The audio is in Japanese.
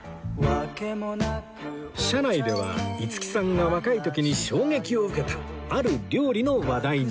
車内では五木さんが若い時に衝撃を受けたある料理の話題に